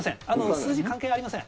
数字関係ありません。